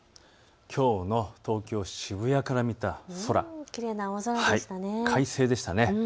きょうの東京渋谷から見た空、快晴でした。